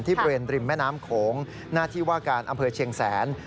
บริเวณริมแม่น้ำโขงหน้าที่ว่าการอำเภอเชียงแสน